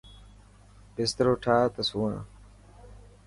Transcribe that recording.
بسترو ٺاهه ته سوان.